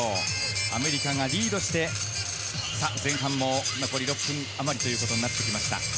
アメリカがリードして、前半も残り６分余りとなってきました。